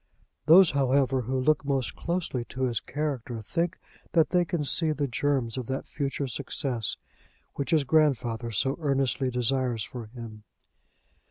Those, however, who look most closely to his character think that they can see the germs of that future success which his grandfather so earnestly desires for him.